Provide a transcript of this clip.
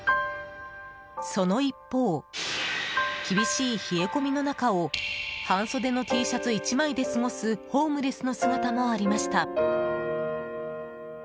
その一方、厳しい冷え込みの中を半袖のＴシャツ１枚で過ごすホームレスの姿もありました。